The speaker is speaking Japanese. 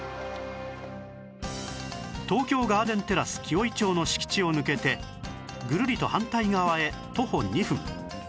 東京ガーデンテラス紀尾井町の敷地を抜けてぐるりと反対側へ徒歩２分